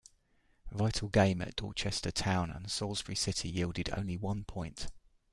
Vital game at Dorchester Town and Salisbury City yielded only one point.